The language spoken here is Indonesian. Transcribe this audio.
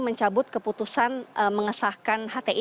mencabut keputusan mengesahkan hti